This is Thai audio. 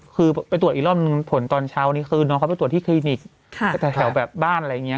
คือไปตรวจอีกรอบหนึ่งผลตอนเช้านี้คือน้องเขาไปตรวจที่คลินิกแถวแบบบ้านอะไรอย่างนี้